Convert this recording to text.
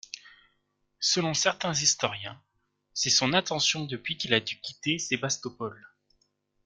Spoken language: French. Selon certains historiens, c’est son intention depuis qu’il a dû quitter Sébastopol.